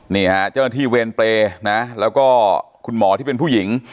นี่ฮะเจ้าหน้าที่เวรเปรย์นะแล้วก็คุณหมอที่เป็นผู้หญิง